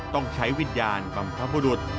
ต้องใช้วิญญาณบรรพบุรุษ